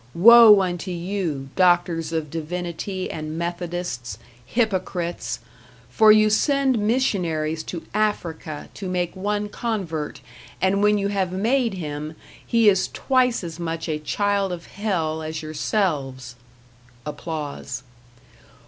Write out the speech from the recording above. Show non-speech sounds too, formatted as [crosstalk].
Woe unto you, doctors of divinity and Methodists, hypocrites! for you send missionaries to Africa to make one convert, and when you have made him, he is twice as much a child of hell as yourselves. [applause]